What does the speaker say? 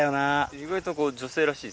意外と女性らしい。